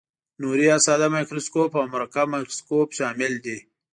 نوري یا ساده مایکروسکوپ او مرکب مایکروسکوپ شامل دي.